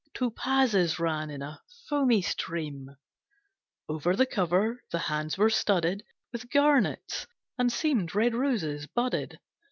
Topazes ran in a foamy stream Over the cover, the hands were studded With garnets, and seemed red roses, budded.